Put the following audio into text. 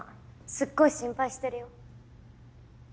すっごい心配してるよ。